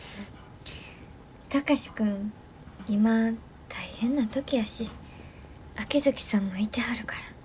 貴司君今大変な時やし秋月さんもいてはるから。